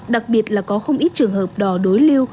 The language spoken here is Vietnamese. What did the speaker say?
đặc biệt là có không ít trường hợp đò đối lưu